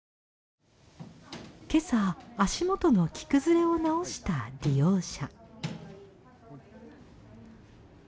今朝足元の着崩れを直した利用者。